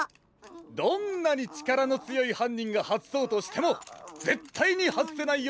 どんなにちからのつよいはんにんがはずそうとしてもぜったいにはずせないようがんじょうにつくりました！